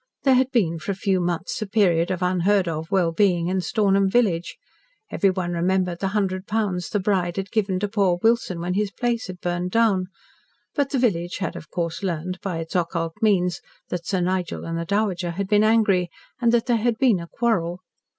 There had been for a few months a period of unheard of well being in Stornham village; everyone remembered the hundred pounds the bride had given to poor Wilson when his place had burned down, but the village had of course learned, by its occult means, that Sir Nigel and the Dowager had been angry and that there had been a quarrel.